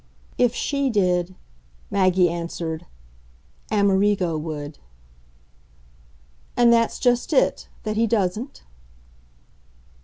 "If she did," Maggie answered, "Amerigo would." "And that's just it that he doesn't?"